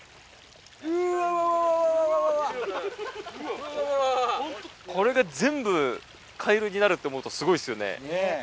うわわわわこれが全部カエルになるって思うとすごいですよね。ねぇ。